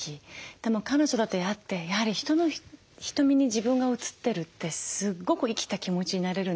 でも彼女と出会ってやはり人の瞳に自分が映ってるってすっごく生きた気持ちになれるんですよね。